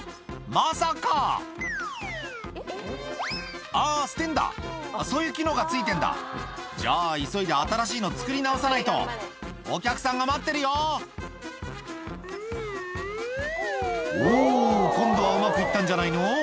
まさかあぁ捨てんだそういう機能が付いてんだじゃあ急いで新しいの作り直さないとお客さんが待ってるよおぉ今度はうまく行ったんじゃないの？